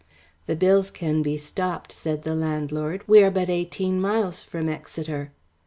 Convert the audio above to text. "The bills can be stopped," said the landlord. "We are but eighteen miles from Exeter."